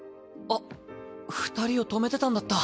あっ二人を泊めてたんだった。